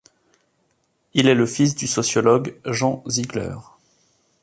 Il est le fils du sociologue Jean Ziegler.